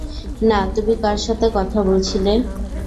না তুমি কার সাথে কথা বলছিলে?